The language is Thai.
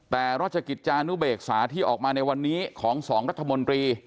แต่ราชกิจจานุเบกษาที่ออกมาในวันนี้ของ๒รัฐมนตรี